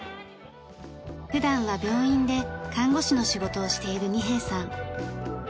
普段は病院で看護師の仕事をしている二瓶さん。